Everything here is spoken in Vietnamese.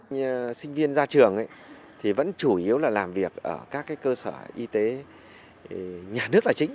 như sinh viên ra trường thì vẫn chủ yếu là làm việc ở các cơ sở y tế nhà nước là chính